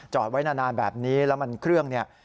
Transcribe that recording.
ไว้นานแบบนี้แล้วมันเครื่องเนี่ย